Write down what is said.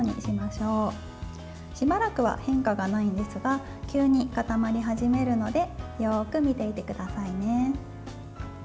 しばらくは変化がないんですが急に固まり始めるのでよく見ていてくださいね。